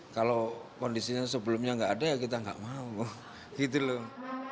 kalau kondisinya sebelumnya nggak ada ya kita nggak mau gitu loh